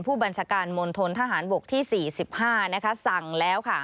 ผู้บัญชาการมณฑนทหารบกที่สี่สิบห้านะคะสั่งแล้วค่ะ